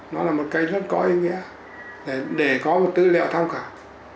nó là một cái rất có ý nghĩa để có một tư liệu tham khảo